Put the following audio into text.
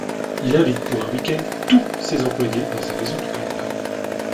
Il invite pour un week-end tous ses employés dans sa maison de campagne.